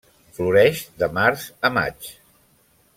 Floreix de març a maig.